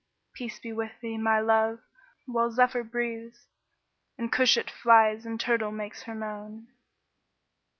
Peace be wi' thee, my love, while zephyr breathes, * And cushat flies and turtle makes her moan."